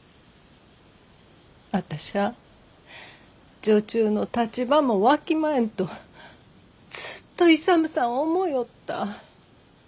私ゃあ女中の立場もわきまえんとずっと勇さんを思ようった。